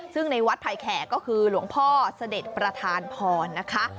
ซึ่งในวัดไผ่แขกก็คือหลวงพ่อเสด็จประธานพรนะคะ